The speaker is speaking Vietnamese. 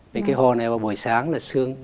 vì cái hồ này buổi sáng là sương